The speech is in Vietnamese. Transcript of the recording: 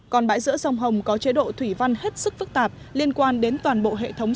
còn bãi giữa sông hồng có chế độ thủy văn hết sức phức tạp liên quan đến toàn bộ hệ thống